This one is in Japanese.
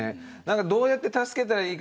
どうやって助けたらいいか